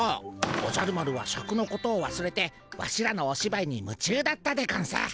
おじゃる丸はシャクのことをわすれてワシらのおしばいにむちゅうだったでゴンス。